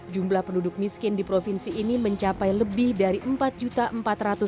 jumlah penduduk miskin di provinsi ini mencapai lebih dari empat empat ratus jiwa atau sebelas dua puluh persen